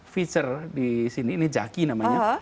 feature di sini ini jaki namanya